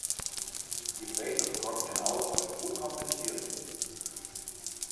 Die Blazers konnten den Ausfall gut kompensieren.